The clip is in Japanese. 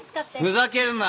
ふざけるな！